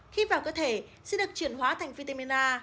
khi vào cơ thể sẽ được chuyển hóa thành vitamin a